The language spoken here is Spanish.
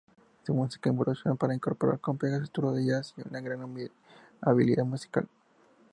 Su música evolucionó para incorporar complejas estructuras de "jazz" y una gran habilidad musical.